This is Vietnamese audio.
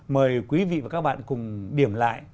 mời quý vị và các bạn cùng điểm lại